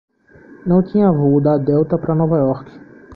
Não tinha voo da Delta pra Nova Iorque.